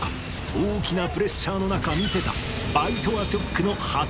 大きなプレッシャーの中見せた